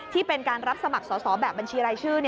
ที่เป็นการรับสมัครสอบแบบบัญชีรายชื่อ